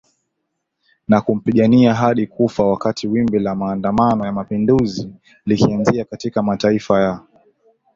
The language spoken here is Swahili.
na kumpigania hadi kufa Wakati wimbi la maandamano ya mapinduzi likianza katika mataifa ya